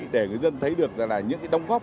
để người dân thấy được là những cái đồng góp